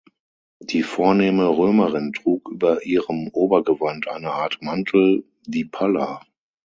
Die vornehme Römerin trug über ihrem Obergewand eine Art Mantel, die Palla.